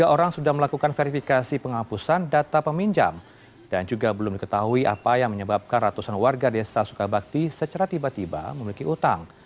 tiga orang sudah melakukan verifikasi penghapusan data peminjam dan juga belum diketahui apa yang menyebabkan ratusan warga desa sukabakti secara tiba tiba memiliki utang